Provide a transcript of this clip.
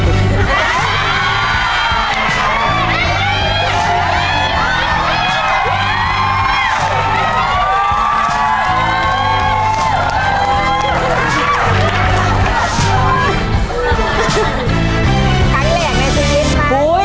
จ้างแหล่งในชีวิตมาก